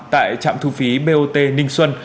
tại trạm thu phí bot ninh xuân